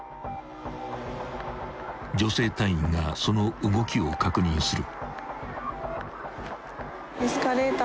［女性隊員がその動きを確認する］